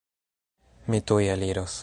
Mi tuj eliros!